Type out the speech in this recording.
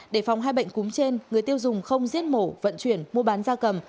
để phòng hai bệnh cúm trên người tiêu dùng không giết mổ vận chuyển mua bán da cầm